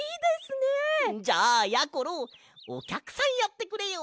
じゃあやころおきゃくさんやってくれよ。